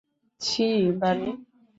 ছিহ্, বানি!